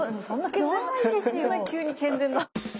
そんな急に健全な！